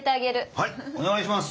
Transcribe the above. はいお願いします！